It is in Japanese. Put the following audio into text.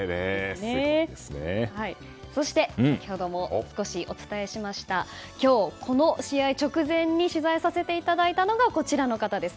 そして、先ほども少しお伝えしました今日、この試合直前に取材させていただいたのがこちらの方です。